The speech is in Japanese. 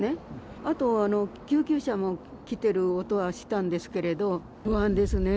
あと、救急車も来てる音がしたんですけれども、不安ですね。